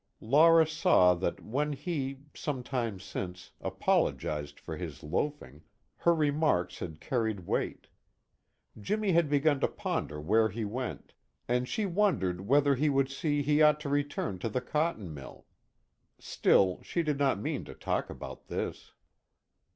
Laura saw that when he, some time since, apologized for his loafing, her remarks had carried weight. Jimmy had begun to ponder where he went, and she wondered whether he would see he ought to return to the cotton mill. Still she did not mean to talk about this.